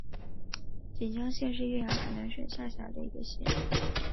锦江县是越南海阳省下辖的一个县。